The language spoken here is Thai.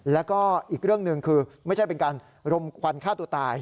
แล้วก็อีกเรื่องหนึ่งคือไม่ใช่เป็นการรมควันฆ่าตัวตาย